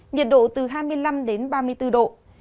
nhiệt độ từ hai mươi năm đến ba mươi bốn độ